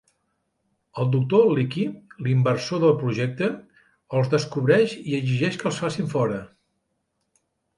El Doctor Leaky, l'inversor del projecte, els descobreix i exigeix que els facin fora.